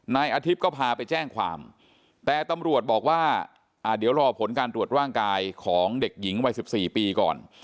นายอาทิตย์ก็พาไปแจ้งความแต่ตำรวจบอกว่าเดี๋ยวรอผลการตรวจร่างกายของเด็กหญิงวัย๑๔ปีก่อน